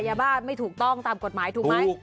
ยาบ้าไม่ถูกต้องตามกฎหมายถูกไหม